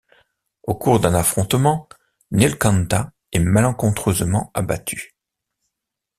Au cours d'un affrontement, Neelkhanta est malencontreusement abattu.